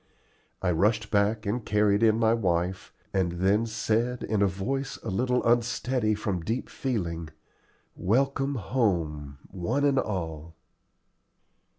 I rushed back and carried in my wife, and then said, in a voice a little unsteady from deep feeling, "Welcome home, one and all."